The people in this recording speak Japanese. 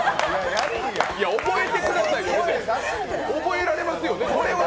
いや、覚えてくださいよ覚えられますよね、これは！